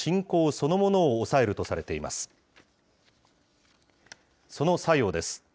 その作用です。